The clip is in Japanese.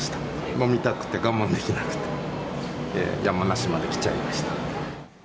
飲みたくて我慢できなくて、山梨まで来ちゃいました。